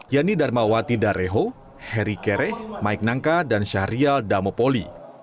yani darmawati dareho heri kereh mike nangka dan syahrial damopoli